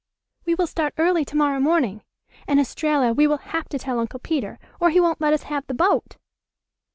"We will start early to morrow morning. And, Estralla, we will have to tell Uncle Peter, or he won't let us have the boat."